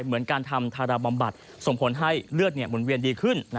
เหมือนการทำธาราบำบัดส่งผลให้เลือดหมุนเวียนดีขึ้น